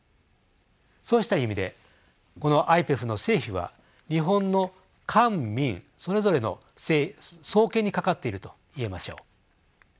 そうした意味でこのＩＰＥＦの成否は日本の官民それぞれの双肩にかかっていると言えましょう。